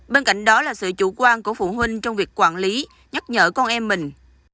bên cạnh đó là sự chủ quan của phụ huynh trong việc quản lý nhắc nhở con em mình